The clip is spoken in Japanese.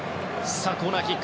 さあ、コーナーキック。